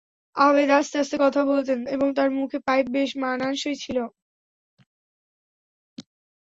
আবেদ আস্তে আস্তে কথা বলতেন এবং তাঁর মুখে পাইপ বেশ মানানসই ছিল।